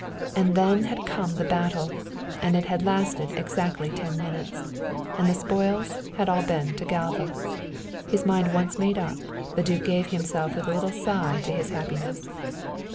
And then had come the battle, and it had lasted exactly ten minutes, and the spoils had been all to Galva. His mind once made up, the duke gave himself with a little sigh to his happiness.